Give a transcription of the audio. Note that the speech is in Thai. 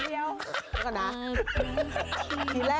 เดี๋ยวก่อนนะ